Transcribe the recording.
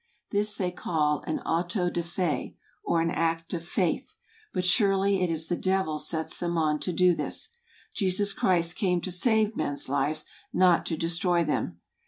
This they call an auto de fe , or an act of faith. But surely it is the devil sets them on to do this: Jesus Christ came to save men's lives, not to de¬ stroy them.